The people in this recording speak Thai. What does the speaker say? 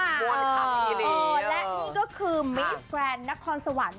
เออและนี่ก็คือมิสแกรนด์นครสวรรค์